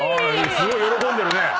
すごい喜んでるね。